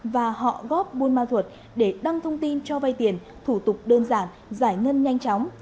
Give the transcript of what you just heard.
và họ góp buôn ma thuột để đăng thông tin cho vay tiền thủ tục đơn giản giải ngân nhanh chóng